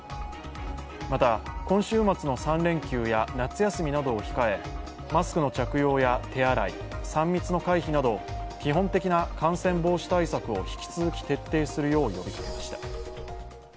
また、今週末の３連休や夏休みなどを控え、マスクの着用や手洗い、３密の回避など基本的な感染防止対策を引き続き徹底するよう呼びかけました。